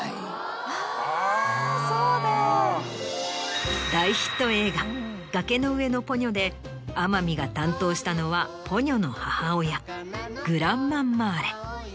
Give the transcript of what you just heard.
あぁそうだ！大ヒット映画『崖の上のポニョ』で天海が担当したのはポニョの母親グランマンマーレ。